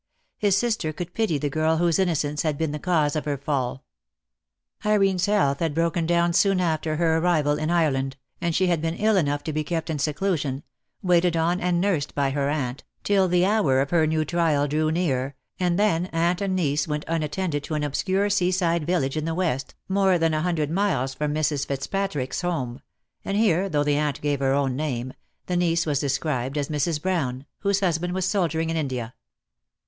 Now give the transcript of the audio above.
His sister could pity the girl whose innocence had been the cause of her fall. Irene's health had broken down soon after her arrival in Ireland, and she had been ill enough to be kept in seclusion, waited on and nursed by her aunt, till the hour of her trial drew near, and then aunt and niece went unattended to an obscure sea side village in the West, more than a hundred miles from Mrs. Fitzpatrick's home; and here, though the aunt gave her own name, the niece was de DEAD LOVE HAS CHAINS, 2 27 scribed as Mrs. Brown, whose husband was soldiering in India.